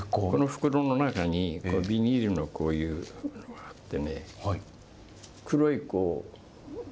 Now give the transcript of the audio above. この袋の中に、ビニールのこういうのが入ってね、黒い